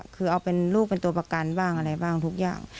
คือเอาเป็นลูกเป็นตัวประกันบ้างอะไรบ้างทุกอย่าง